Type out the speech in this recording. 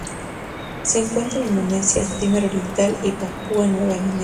Se encuentra en Indonesia, Timor Oriental y Papúa Nueva Guinea.